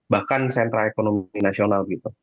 bahkan sentra ekonomi nasional gitu